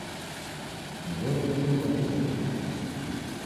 Nighorienyi w'asi ghonyu